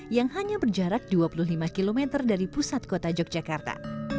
yang hanya berjarak dua puluh lima km dari pusat kota yogyakarta